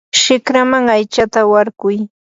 shikraman aytsata warkuy.